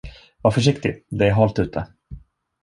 Var försiktig, det är halt ute.